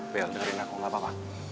bel dengerin aku gak apa apa